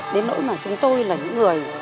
đến nỗi mà chúng tôi là những người